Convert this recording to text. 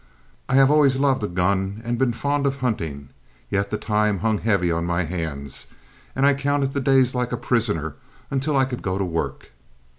I have always loved a gun and been fond of hunting, yet the time hung heavy on my hands, and I counted the days like a prisoner until I could go to work.